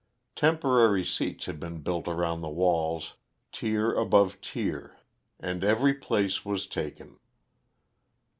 Temporary seats had been built around the walls, tier above tier, and every place was taken.